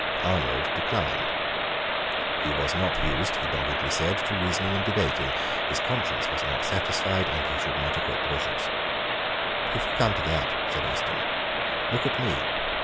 Arnold declined. He was not used, he doggedly said, to reasoning and debating. His conscience was not satisfied; and he should not acquit the Bishops. "If you come to that," said Austin, "look at me.